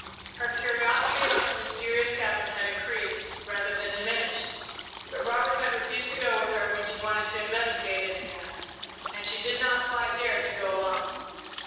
Her curiosity about the mysterious cabin had increased rather than diminished; but Robert had refused to go with her when she wanted to investigate it again, and she did not quite dare to go alone.